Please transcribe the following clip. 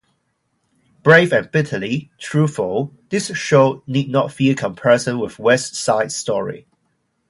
Brave and bitterly truthful...this show...need not fear comparison with West Side Story.